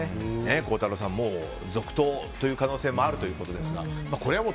孝太郎さん、続投という可能性もあるということですが。